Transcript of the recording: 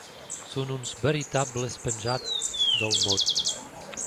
Són uns veritables penjats del mot.